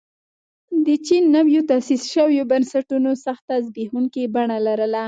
د چین نویو تاسیس شویو بنسټونو سخته زبېښونکې بڼه لرله.